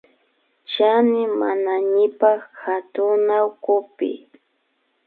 Chani manañipak katunawkupi